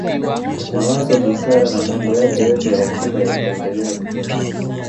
Mawazo busara na mambo yake yote ya hekima yataendele kutunzwa